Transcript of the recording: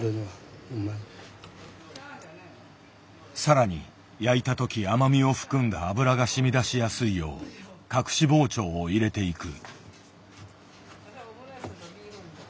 更に焼いた時甘みを含んだ脂がしみだしやすいよう隠し包丁を入れていく。